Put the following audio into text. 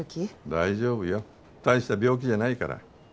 大丈夫よ大した病気じゃないから。